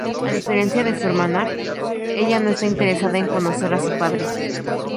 A diferencia de su hermana, ella no está interesada en conocer a su padre.